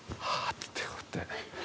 っつってこうやって。